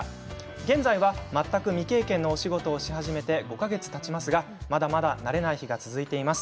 現在は全く未経験のお仕事をし始めて５か月がたちますがまだまだ慣れない日々が続いております。